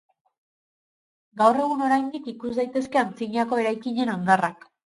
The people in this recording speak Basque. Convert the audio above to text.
Gaur egun oraindik ikus daitezke antzinako eraikinen hondarrak.